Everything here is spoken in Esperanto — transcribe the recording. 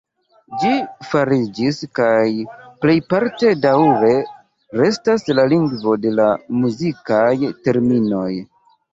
Ĝi fariĝis kaj plejparte daŭre restas la lingvo de la muzikaj terminoj.